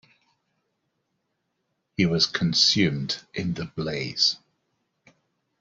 He was consumed in the blaze.